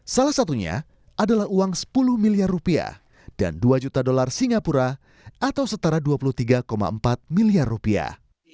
salah satunya adalah uang sepuluh miliar rupiah dan dua juta dolar singapura atau setara dua puluh tiga empat miliar rupiah